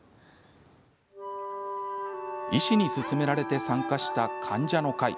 医師に勧められて参加した患者の会。